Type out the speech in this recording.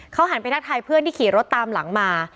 เขาหันไปทักทายเพื่อนที่ขี่รถตามหลังมา